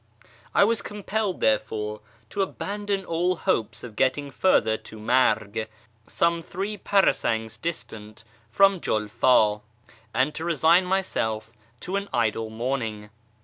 I was compelled, therefore, to abandon all hopes of getting further than Marg, some three 'parasangs distant from Julf;i, and to resign myself to an idle morning.